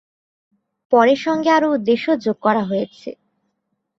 পরে সঙ্গে আরো উদ্দেশ্য যোগ করা হয়েছে।